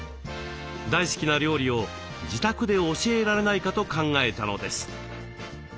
大好きな料理を自宅で教えられないかと考えたのです。